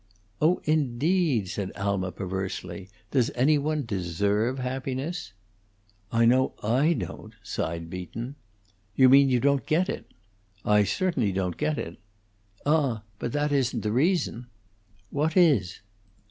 "Oh, indeed!" said Alma, perversely. "Does any one deserve happiness?" "I know I don't," sighed Beaton. "You mean you don't get it." "I certainly don't get it." "Ah, but that isn't the reason." "What is?"